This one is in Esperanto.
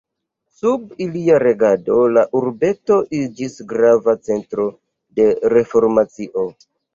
Sub ilia regado la urbeto iĝis grava centro de reformacio.